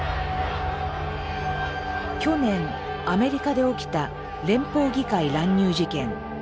去年アメリカで起きた連邦議会乱入事件。